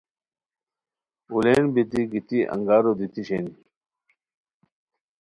اولین بیتی گیتی انگارو دیتی شینی